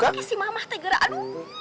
kayak si mama teh gerak aduh